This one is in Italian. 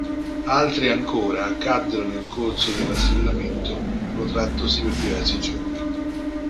Altri ancora caddero nel corso del rastrellamento, protrattosi per diversi giorni.